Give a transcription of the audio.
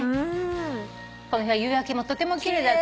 この日は夕焼けもとても奇麗だった。